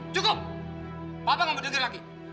cukup papa gak mau denger lagi